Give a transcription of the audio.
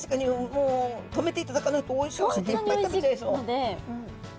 もう止めていただかないとおいしくていっぱい食べちゃいそう。